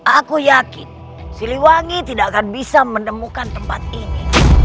aku yakin siliwangi tidak akan bisa menemukan tempat ini